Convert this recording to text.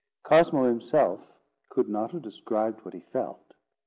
Cosmo himself could not have described what he felt.